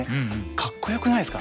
かっこよくないですか？